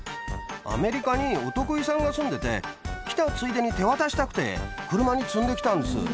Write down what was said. アメリカにお得意さんが住んでて、来たついでに手渡したくて、車に積んできたんです。